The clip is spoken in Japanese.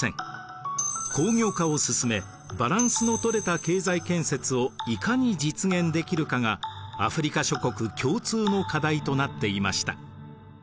工業化を進めバランスのとれた経済建設をいかに実現できるかがアフリカ諸国共通の課題となっていました。